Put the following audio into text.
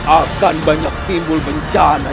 akan banyak timbul bencana